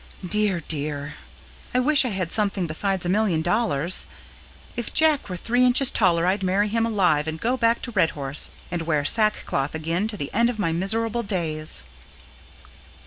Dear, dear! I wish I had something besides a million dollars! If Jack were three inches taller I'd marry him alive and go back to Redhorse and wear sackcloth again to the end of my miserable days.